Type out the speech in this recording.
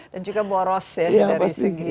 dan juga boros ya dari segi ini